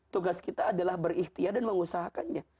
tugas kita adalah berikhtiar dan mengusahakannya